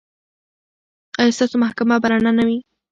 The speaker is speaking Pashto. ایا ستاسو محکمه به رڼه نه وي؟